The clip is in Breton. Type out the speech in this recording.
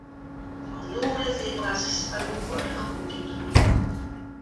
An holl a zebras, hag o gwalc'h o devoe.